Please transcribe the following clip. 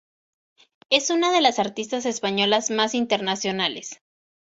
Es una de las artistas españolas más internacionales.